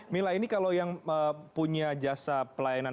mila ini kalau yang punya jasa pelayanan